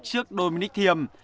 trước dominic thiem